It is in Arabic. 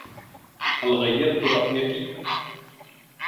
هل غيّرتِ رأيكِ؟